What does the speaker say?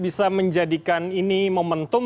bisa menjadikan ini momentum